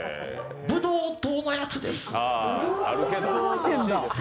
ブドウ糖のやつです。